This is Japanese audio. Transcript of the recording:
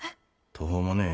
途方もねえ